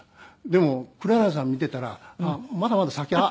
でも黒柳さん見てたらまだまだ先は。